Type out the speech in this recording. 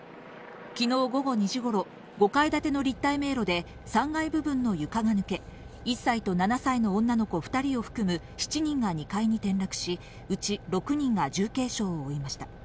昨日午後２時頃、５階建ての立体迷路で３階部分の床が抜け、１歳と７歳の女の子２人を含む７人が床に転落し、うち６人が重軽傷を負いました。